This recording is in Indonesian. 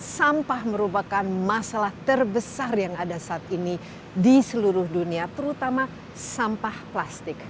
sampah merupakan masalah terbesar yang ada saat ini di seluruh dunia terutama sampah plastik